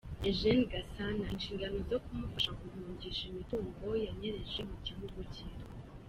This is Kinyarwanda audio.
Eugene Gasana inshingano zo kumufasha guhungisha imitungo yanyereje mu gihugu cye.